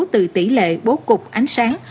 từ tỷ lệ bố cục ánh sáng